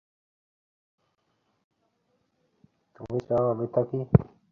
তুমি চাও আমি থাকি?